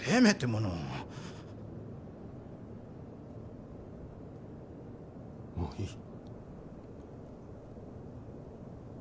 もういい。